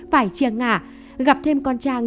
phải chia ngả gặp thêm con trang